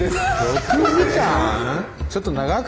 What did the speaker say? ６時間！